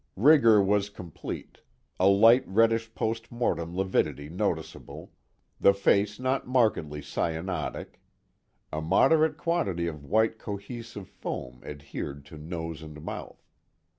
Rigor was complete, a light reddish post mortem lividity noticeable, the face not markedly cyanotic. A moderate quantity of white cohesive foam adhered to nose and mouth.